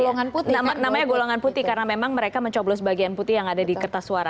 namanya golongan putih karena memang mereka mencoblos bagian putih yang ada di kertas suara